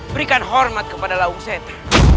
berikan hormat kepada laung seta